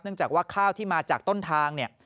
จากว่าข้าวที่มาจากต้นทางเนี่ย